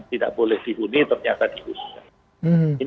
tidak boleh dihuni ternyata dihususkan